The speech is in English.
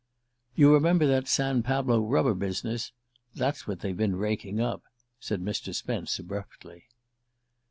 "You remember that San Pablo rubber business? That's what they've been raking up," said Mr. Spence abruptly.